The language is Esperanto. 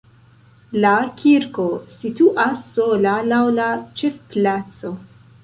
La kirko situas sola laŭ la ĉefplaco.